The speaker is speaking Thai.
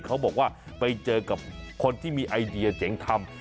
เขาบอกว่าไปเจอกับคนที่มีไอเดียเจ๋งทำ